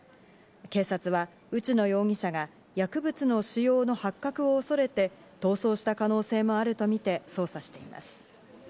警察は内野容疑者が薬物の使用の発覚を恐れて、逃走した可能性もあるとみて捜査しています。